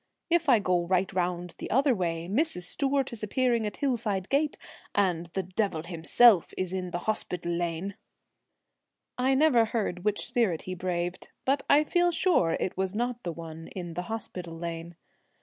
If I go right round the other way, Mrs. Stewart is appearing at Hillside Gate, and the devil himself is in the Hospital Lane/ I never heard which spirit he braved, but feel sure it was not the one in the Hospital Lane.